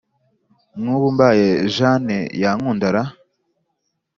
nkubu mbaye jane yankunda ra